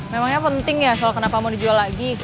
memangnya penting ya soal kenapa mau dijual lagi